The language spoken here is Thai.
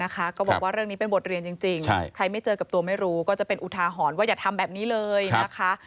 ก็บอกว่าเรื่องนี้เป็นบทเรียนจริงใครไม่เจอกับตัวไม่รู้ก็จะเป็นอุทาหรณ์ว่าอย่าทำแบบนี้เลยนะคะ